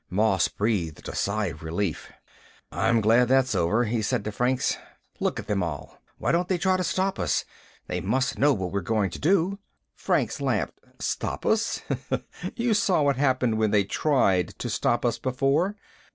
Moss breathed a sigh of relief. "I'm glad that's over," he said to Franks. "Look at them all. Why don't they try to stop us? They must know what we're going to do." Franks laughed. "Stop us? You saw what happened when they tried to stop us before.